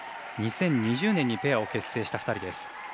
２０２０年にペアを結成した２人です。